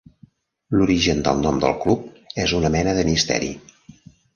L'origen del nom del club és una mena de misteri.